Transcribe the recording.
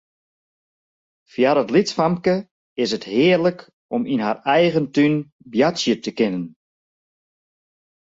Foar it lytsfamke is it hearlik om yn har eigen tún boartsje te kinnen.